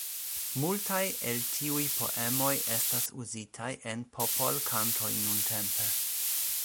Multaj el tiuj poemoj estas uzitaj en popolkantoj nuntempe.